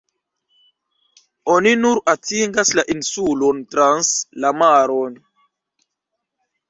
Oni nur atingas la insulon trans la maron.